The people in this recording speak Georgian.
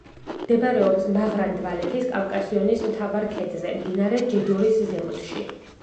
მდებარეობს მაღრან-დვალეთის კავკასიონის მთავარ ქედზე, მდინარე ჯეჯორის ზემოთში.